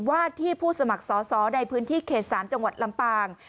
ว่าที่ผู้สมัครสอสอในพื้นที่เขต๓จังหวัดลำปาง